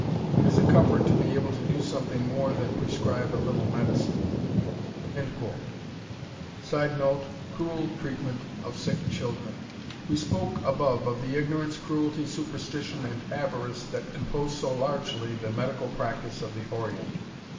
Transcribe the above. It is a comfort to be able to do something more than prescribe a little medicine." [Sidenote: Cruel treatment of sick children.] We spoke above of the ignorance, cruelty, superstition, and avarice that compose so largely the medical practice of the Orient.